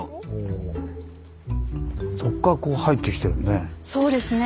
そっからこう入ってきてるね。